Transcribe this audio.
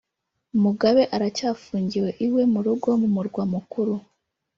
Mugabe aracyafungiwe iwe mu rugo mu Murwa Mukuru